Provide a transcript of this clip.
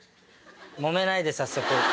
もめないで早速。